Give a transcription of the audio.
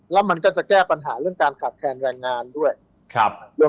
แล้วมันก็จะแก้ปัญหาเรื่องการขาดแคลนแรงงานด้วย